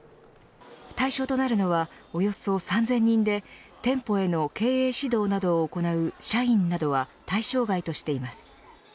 対象となるのはおよそ３０００人で店舗への経営指導などを行う社員などは対象外としています。